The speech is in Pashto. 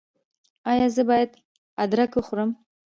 ایا زه باید ادرک وخورم؟